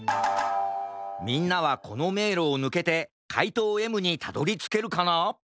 みんなはこのめいろをぬけてかいとうＭにたどりつけるかな？